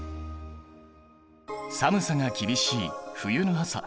寒さが厳しい冬の朝。